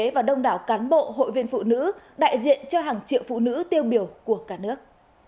và đông đảo cán bộ hội viên phụ nữ đại diện cho hàng triệu phụ nữ tiêu biểu của cả nước